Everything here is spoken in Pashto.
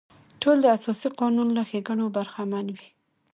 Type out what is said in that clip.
ټول د اساسي قانون له ښېګڼو برخمن وي.